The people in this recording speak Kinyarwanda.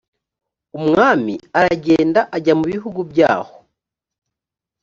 umwami aragenda ajya mubihugu byaho .